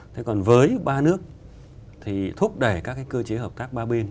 thế còn với ba nước thì thúc đẩy các cái cơ chế hợp tác ba bên